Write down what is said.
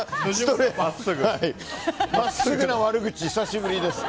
真っすぐな悪口、久しぶりです。